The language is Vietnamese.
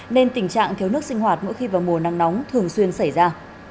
nên tình trạng thiếu nước sinh hoạt mỗi khi vào mùa nắng nóng thường xuyên xảy ra